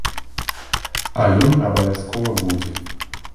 А ён абавязкова будзе.